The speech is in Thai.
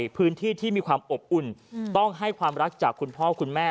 พื้นที่ที่มีความอบอุ่นต้องให้ความรักจากคุณพ่อคุณแม่